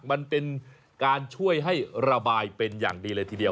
มันเป็นการช่วยให้ระบายเป็นอย่างดีเลยทีเดียว